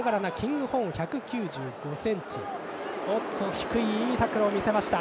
低いいいタックルを見せました